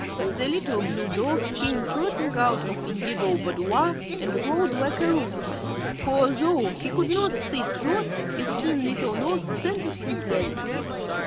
The little blue dog came trotting out of Indigo's boudoir and crowed like a rooster, for although he could not see Trot his keen little nose scented her presence.